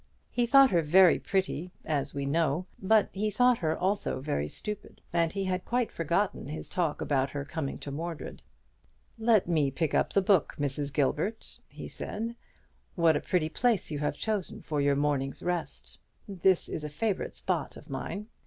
He thought her very pretty, as we know, but he thought her also very stupid; and he had quite forgotten his talk about her coming to Mordred. "Let me pick up the book, Mrs. Gilbert," he said. "What a pretty place you have chosen for your morning's rest! This is a favourite spot of mine."